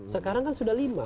sekarang kan sudah lima